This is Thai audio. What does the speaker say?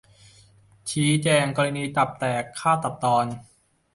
ชี้แจงกรณีตับแตก-ฆ่าตัดตอน